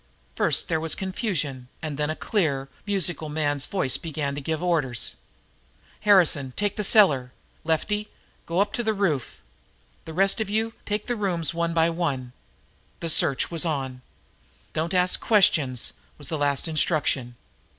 First there was confusion, and then a clear, musical man's voice began to give orders: "Harrison, take the cellar. Lefty, go up to the roof. The rest of you take the rooms one by one." The search was on. "Don't ask questions," was the last instruction.